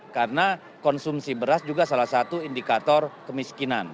karena konsumsi beras juga salah satu indikator kemiskinan